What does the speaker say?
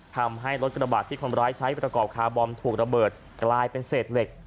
ทำให้รถกระบาดที่คนร้ายใช้ประกอบคาร์บอมถูกระเบิดกลายเป็นเศษเหล็ก